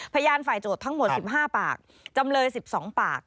พยานฝ่ายโจทย์ทั้งหมด๑๕ปากจำเลย๑๒ปาก